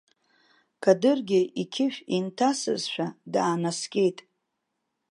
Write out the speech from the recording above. Кадыргьы иқьышә инҭасызшәа даанаскьеит.